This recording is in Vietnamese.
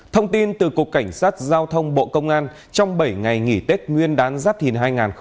thông tin từ cục cảnh sát giao thông bộ công an trong bảy ngày nghỉ tết nguyên đán giáp thìn hai nghìn hai mươi bốn